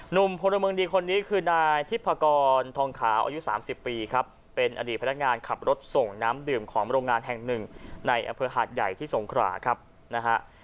พลเมืองดีคนนี้คือนายทิพกรทองขาวอายุ๓๐ปีครับเป็นอดีตพนักงานขับรถส่งน้ำดื่มของโรงงานแห่งหนึ่งในอำเภอหาดใหญ่ที่สงขราครับนะฮะ